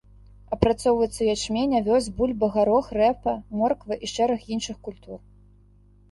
Апрацоўваюцца ячмень, авёс, бульба, гарох, рэпа, морква і шэраг іншых культур.